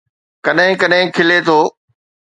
ڪڏهن ڪڏهن کلي ٿو